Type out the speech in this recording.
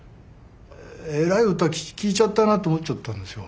えらい歌聴いちゃったなと思っちゃったんですよ。